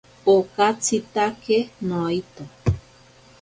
Okatsitake noito.